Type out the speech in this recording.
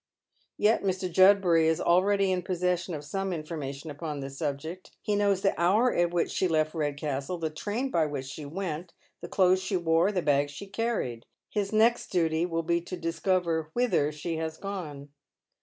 Yet Mr. Judbury is already in possession of some information upon this subject. He knows the hour at which she left Red castle, the train by which she went, tlie clothes she wore, the bag ehe carried. His next duty will be to discover whitlier she has gone.